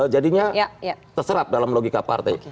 jadinya terserap dalam logika partai